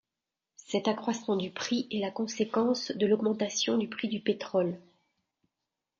Cet accroissement du prix est la conséquence de l'augmentation du prix du pétrole.